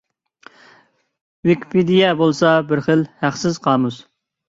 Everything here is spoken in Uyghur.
ۋىكىپېدىيە بولسا بىر خىل ھەقسىز قامۇس.